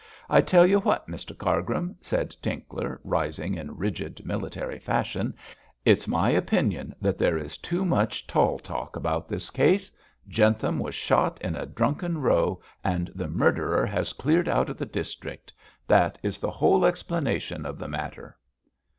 I tell you what, Mr Cargrim,' said Tinkler, rising in rigid military fashion, 'it's my opinion that there is too much tall talk about this case. Jentham was shot in a drunken row, and the murderer has cleared out of the district. That is the whole explanation of the matter.'